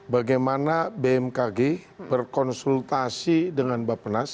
bagaimana bmkg berkonsultasi dengan bapak nas